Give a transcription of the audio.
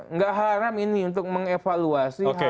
nggak haram ini untuk mengevaluasi